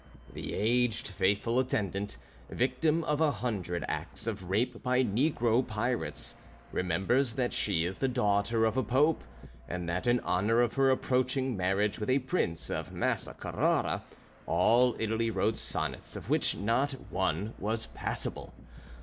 The aged faithful attendant, victim of a hundred acts of rape by negro pirates, remembers that she is the daughter of a pope, and that in honor of her approaching marriage with a Prince of Massa Carrara all Italy wrote sonnets of which not one was passable.